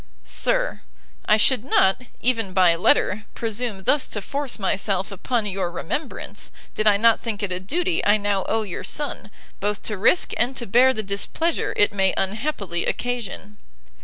SIR, I should not, even by letter, presume thus to force myself upon your remembrance, did I not think it a duty I now owe your son, both to risk and to bear the displeasure it may unhappily occasion.